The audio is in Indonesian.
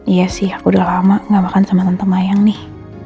iya sih aku udah lama gak makan sama tante mayang nih